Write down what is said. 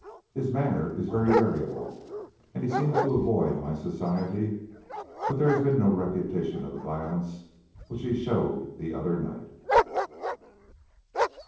His manner is very variable, and he seems to avoid my society, but there has been no repetition of the violence which he showed the other night.